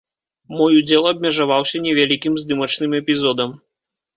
Мой удзел абмежаваўся невялікім здымачным эпізодам.